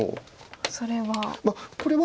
それは。